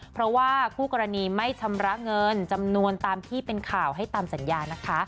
เพราะว่าคู่กรณีไม่ชำระเงินจำนวนตามที่เป็นข่าวให้ตามสัญญานะคะ